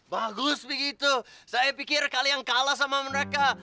bagus begitu saya pikir kalian kalah sama mereka